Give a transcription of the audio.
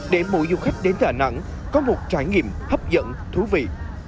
để mỗi du khách đến đà nẵng có một trải nghiệm hấp dẫn thú vị